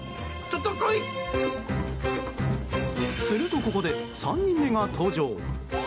すると、ここで３人目が登場。